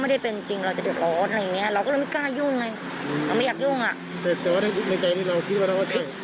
แต่ว่าในใจนี้เราคิดว่าเราไม่ใช่